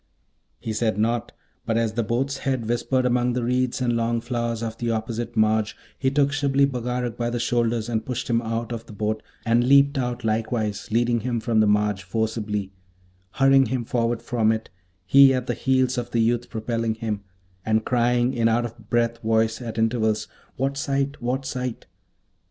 He said nought, but as the boat's head whispered among the reeds and long flowers of the opposite marge, he took Shibli Bagarag by the shoulders and pushed him out of the boat, and leaped out likewise, leading him from the marge forcibly, hurrying him forward from it, he at the heels of the youth propelling him; and crying in out of breath voice at intervals, 'What sight? what sight?'